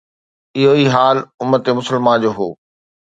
اهو ئي حال امت مسلمه جو هو.